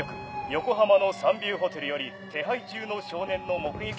横浜のサンビューホテルより手配中の少年の目撃